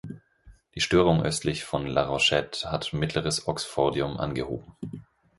Die Störung östlich von La Rochette hat Mittleres Oxfordium angehoben.